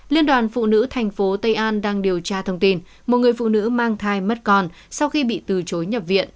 liên đoàn phụ nữ thành phố tây an đang điều tra thông tin một người phụ nữ mang thai mất con sau khi bị từ chối nhập viện